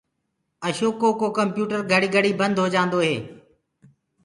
اشوڪو ڪمپيوٽر گھڙي گھڙي بنٚد هوجآنٚدو هي